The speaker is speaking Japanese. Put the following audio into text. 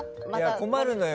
困るのよ。